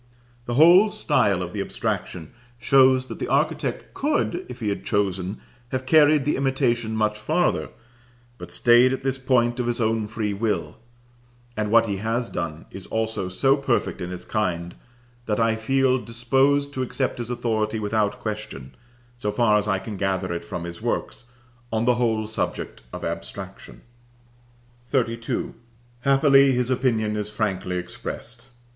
The whole style of the abstraction shows that the architect could, if he had chosen, have carried the imitation much farther, but stayed at this point of his own free will; and what he has done is also so perfect in its kind, that I feel disposed to accept his authority without question, so far as I can gather it from his works, on the whole subject of abstraction. XXXII. Happily his opinion is frankly expressed.